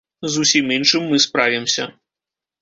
З усім іншым мы справімся.